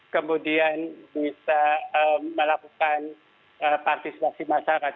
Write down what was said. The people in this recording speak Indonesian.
kemudian bisa melakukan partisipasi masyarakat